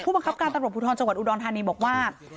บังคับการตำรวจภูทรจังหวัดอุดรธานีบอกว่า